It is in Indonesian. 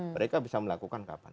mereka bisa melakukan kapan